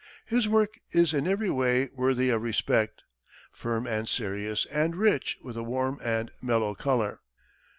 His work is in every way worthy of respect firm and serious and rich with a warm and mellow color.